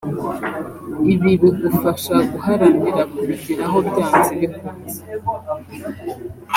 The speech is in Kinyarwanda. Ibi bigufasha guharanira kubigeraho byanze bikunze